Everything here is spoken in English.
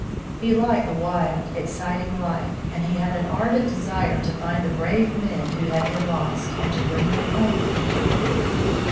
He liked the wild, exciting life, and he had an ardent desire to find the brave men who had been lost, and to bring them home with him.